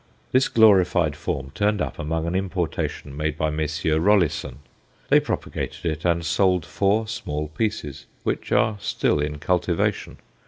This glorified form turned up among an importation made by Messrs. Rollisson. They propagated it, and sold four small pieces, which are still in cultivation.